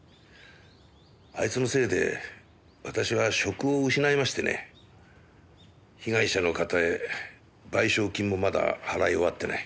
あいつのせいで私は職を失いましてね被害者の方へ賠償金もまだ払い終わってない。